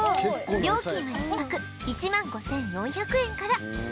料金は１泊１万５４００円から